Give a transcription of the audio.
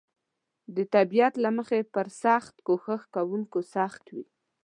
د طبیعت له مخې پر سخت کوښښ کونکو سخت وي.